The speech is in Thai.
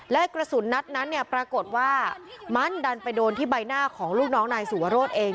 และกระสุนนัดนั้นเนี่ยปรากฏว่ามันดันไปโดนที่ใบหน้าของลูกน้องนายสุวรสเอง